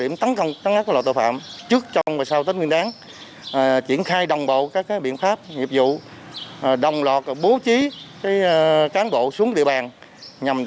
điểm tấn công tấn áp của loại tội phạm